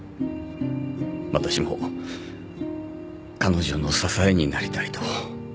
私も彼女の支えになりたいと。